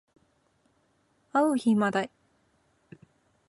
あう日まで